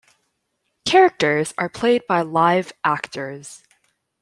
Characters are played by live actors.